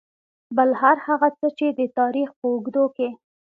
بل هر هغه څه چې د تاريخ په اوږدو کې .